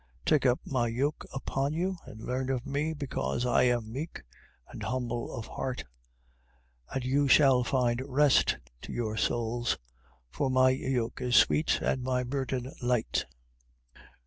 11:29. Take up my yoke upon you, and learn of me, because I am meek, and humble of heart: And you shall find rest to your souls. 11:30. For my yoke is sweet and my burden light.